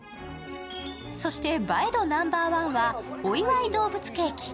そして映え度ナンバーワンはおいわいどうぶつケーキ。